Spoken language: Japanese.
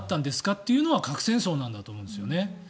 っていうのが核戦争なんだと思うんですね。